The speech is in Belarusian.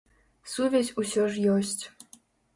Сувязь усё ж ёсць.